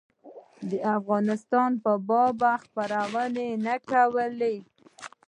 د افغانستان په باب خپرونې نه کولې.